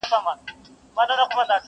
یو ږغ دی چي په خوب که مي په ویښه اورېدلی٫